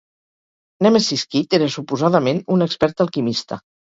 Nemesis Kid era suposadament un expert alquimista.